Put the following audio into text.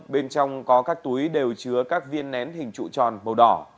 bên trong có các túi đều chứa các viên nén hình trụ tròn màu đỏ